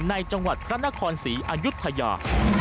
ในจังหวัดพระนครศรีอายุทยา